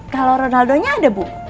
kalau ronaldonya ada bu